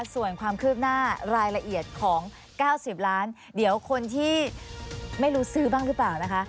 ส่วนความคืบหน้ารายละเอียดของ๙๐ล้านเดี๋ยวคนที่ไม่รู้ซื้อบ้างหรือเปล่านะคะ